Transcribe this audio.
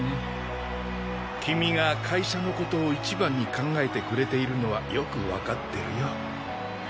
君が会社の事を一番に考えてくれているのはよくわかってるよ。